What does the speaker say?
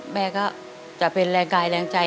แม่ก็จะเป็นแรงกายแรงใจ